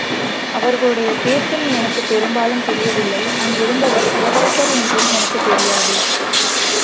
அவர்களுடைய பேச்சும் எனக்குப் பெரும்பாலும் புரியவில்லை அங்கிருந்தவர் இளவரசர் என்றும் எனக்குத் தெரியாது.